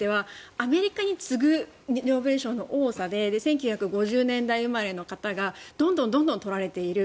自然科学についてはアメリカに次ぐノーベル賞の多さで１９５０年代生まれの方々どんどん取られている。